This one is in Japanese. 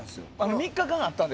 ３日間あったので。